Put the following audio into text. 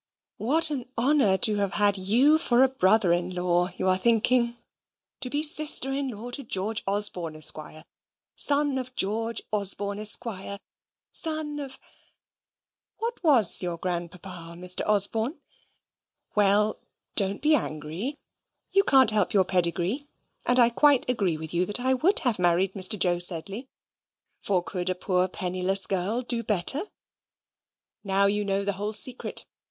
"What an honour to have had you for a brother in law, you are thinking? To be sister in law to George Osborne, Esquire, son of John Osborne, Esquire, son of what was your grandpapa, Mr. Osborne? Well, don't be angry. You can't help your pedigree, and I quite agree with you that I would have married Mr. Joe Sedley; for could a poor penniless girl do better? Now you know the whole secret.